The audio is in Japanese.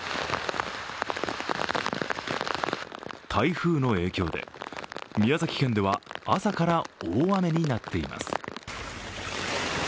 台風の影響で、宮崎県では朝から大雨になっています。